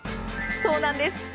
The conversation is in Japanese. そうなんです。